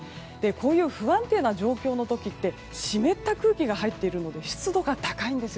こういう不安定な状況の時は湿った空気が入っているので湿度が高いんです。